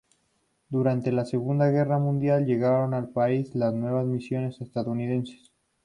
Durante la Segunda Guerra Mundial, llegaron al país las nuevas misiones estadounidenses.